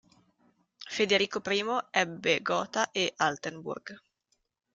Federico I ebbe Gotha e Altenburg.